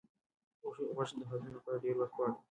غوښه د هضم لپاره ډېر وخت غواړي.